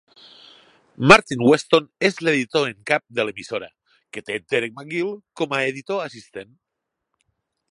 Martyn Weston és l'editor en cap de l'emissora, que té Derek McGill com a editor assistent.